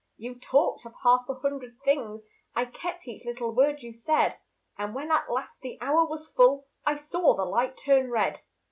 You talked of half a hundred things, I kept each little word you said; And when at last the hour was full, I saw the light turn red.